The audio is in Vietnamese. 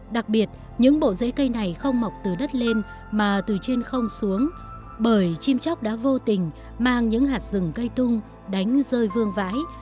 đặc biệt những bộ rễ cây này không mọc từ đất lên mà từ trên không xuống bởi chim chóc đã vô tình mang những hạt rừng cây tung đánh rơi vương vãi